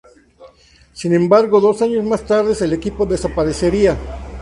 Sin embargo, dos años más tarde, el equipo desaparecería.